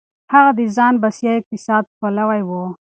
هغه د ځان بسيا اقتصاد پلوی و.